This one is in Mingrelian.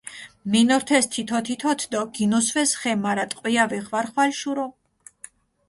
მინორთეს თითო-თითოთ დო გინუსვეს ხე, მარა ტყვია ვეხვარხვალ შურო.